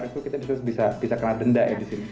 itu kita bisa kena denda ya di sini